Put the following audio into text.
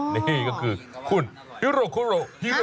นี่ก็คือคุณฮิโรโคโรฮิโร